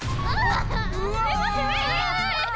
・うわ！